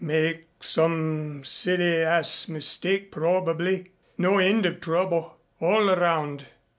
Make some silly ass mistake probably. No end of trouble all around."